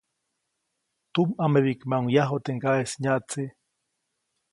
Tumʼamebiʼkmaʼuŋ yaju teʼ ŋgaʼeʼis nyaʼtse.